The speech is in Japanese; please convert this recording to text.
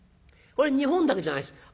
これ日本だけじゃないです。